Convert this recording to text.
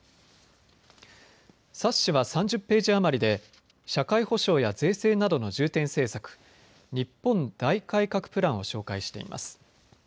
冊子は３０ページ余りで社会保障や税制などの重点政策、日本大改革プランを紹介しています。